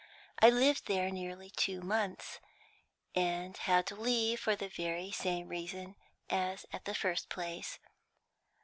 I lived there nearly two months, and had to leave for the very same reason as at the first place.